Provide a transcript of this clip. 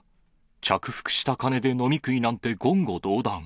着服した金で飲み食いなんて言語道断。